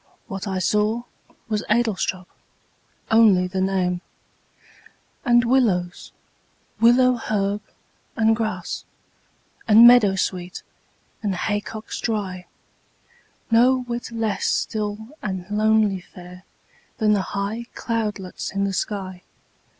What I saw Was Adlestrop only the name And willows, willow herb, and grass, And meadowsweet, and haycocks dry; No whit less still and lonely fair Than the high cloudlets in the sky.